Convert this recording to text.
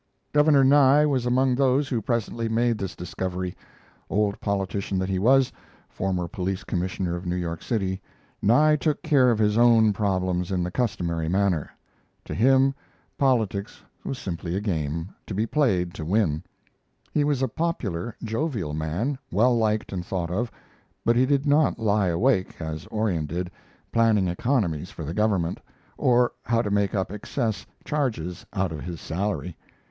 Governor Nye was among those who presently made this discovery. Old politician that he was former police commissioner of New York City Nye took care of his own problems in the customary manner. To him, politics was simply a game to be played to win. He was a popular, jovial man, well liked and thought of, but he did not lie awake, as Orion did, planning economies for the government, or how to make up excess charges out of his salary.